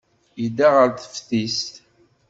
Yedda ɣer teftist.